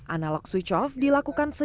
analog switch off dilakukan secara rata